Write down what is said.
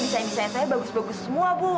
jadi pasti bisa jahit saya bagus bagus semua bu